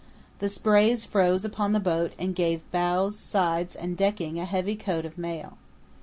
The sprays froze upon the boat and gave bows, sides, and decking a heavy coat of mail.